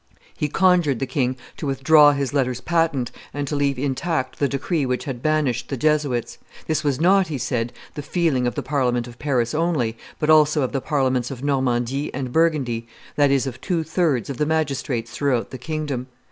He conjured the king to withdraw his letters patent, and to leave intact the decree which had banished the Jesuits. This was not, he said, the feeling of the Parliament of Paris only, but also of the Parliaments of Normandy and Burgundy; that is, of two thirds of the magistrates throughout the king dom.